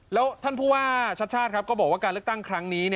แล้วท่านผู้ว่าชัดชาติก็บอกว่าการเลือกตั้งครั้งนี้